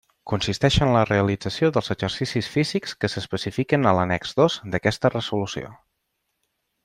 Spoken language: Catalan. Consisteix en la realització dels exercicis físics que s'especifiquen a l'annex dos d'aquesta Resolució.